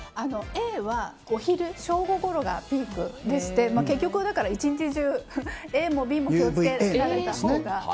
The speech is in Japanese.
Ａはお昼、正午ごろがピークでして結局、一日中ＡもＢも気を付けられたほうが。